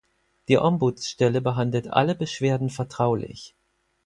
Die Ombudsstelle behandelt alle Beschwerden vertraulich.